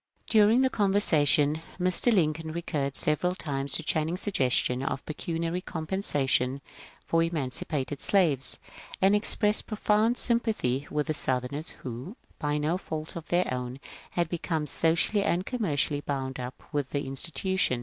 During the conversation Mr. Lincoln recurred several times to Channing's suggestion of pecuniary compensation for eman cipated slaves, and expressed profound sympathy with the Soathemers who, by no fault of their own, had become so cially and commercially bound up with the institution.